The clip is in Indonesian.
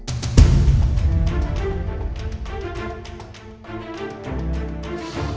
dengar suara dewi